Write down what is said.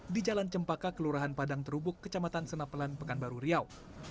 di jalan cempaka kelurahan padang terubuk kecamatan senapelan pekanbaru riau